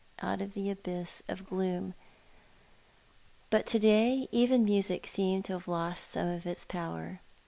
out of the abyss of gloom. But to day even music seemed to have lost some of its power.